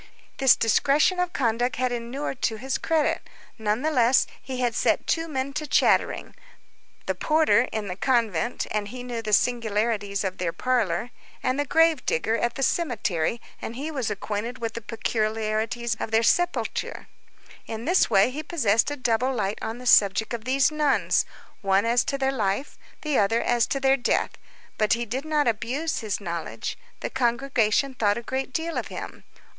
This discretion of conduct had inured to his credit. Nonetheless, he had set two men to chattering: the porter, in the convent, and he knew the singularities of their parlor, and the grave digger, at the cemetery, and he was acquainted with the peculiarities of their sepulture; in this way, he possessed a double light on the subject of these nuns, one as to their life, the other as to their death. But he did not abuse his knowledge. The congregation thought a great deal of him.